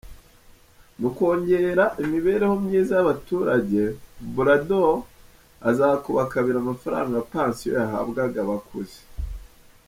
Mu kongera imibereho myiza y’abaturage, Obrador azakuba kabiri amafaranga ya pansiyo yahabwaga abakuze.